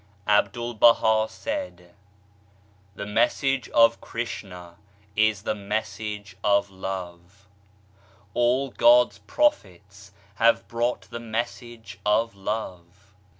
Abdul Baha said : The Message of Krishna is the message of Love. All God's prophets have brought the message of Love.